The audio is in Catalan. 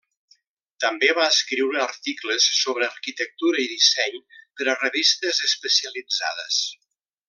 També va escriure articles sobre arquitectura i disseny per a revistes especialitzades.